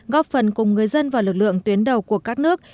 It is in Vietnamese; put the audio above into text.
góp phần cùng người dân và lực lượng tuyến đầu